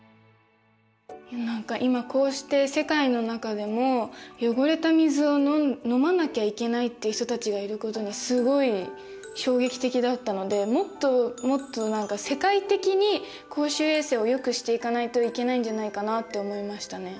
何か今こうして世界の中でも汚れた水を飲まなきゃいけないって人たちがいることにすごい衝撃的だったのでもっともっと世界的に公衆衛生をよくしていかないといけないんじゃないかなって思いましたね。